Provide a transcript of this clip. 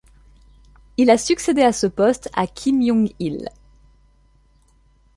Il a succédé à ce poste à Kim Yong-il.